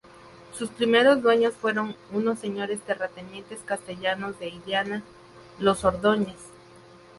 Sus primeros dueños fueron unos señores terratenientes castellanos de Illana, los Ordóñez.